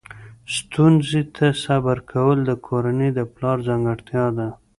ستونزو ته صبر کول د کورنۍ د پلار ځانګړتیا ده.